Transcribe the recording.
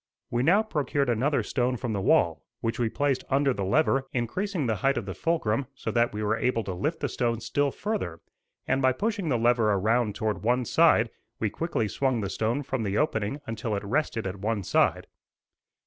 We now procured another stone from the wall, which we placed under the lever, increasing the height of the fulcrum so that we were able to lift the stone still further; and by pushing the lever around toward one side we quickly swung the stone from the opening until it rested at one side.